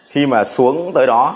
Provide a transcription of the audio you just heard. khi mà xuống tới đó